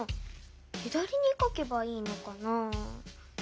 左に書けばいいのかな？